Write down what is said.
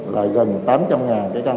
là gần tám trăm linh cái căn